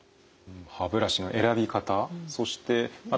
歯ブラシの選び方そしてまた。